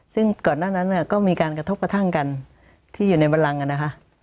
ซึ่งก่อนหน้านั้นก็มีการกระทบกระทั่งกันที่อยู่ในบันลังนะคะ